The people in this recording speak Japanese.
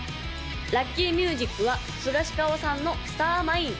・ラッキーミュージックはスガシカオさんの「スターマイン」